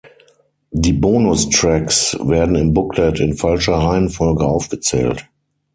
Die Bonustracks werden im Booklet in falscher Reihenfolge aufgezählt.